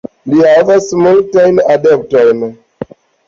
Li havas multajn adeptojn.